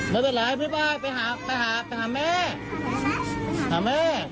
ไม่เป็นไรไปหาแม่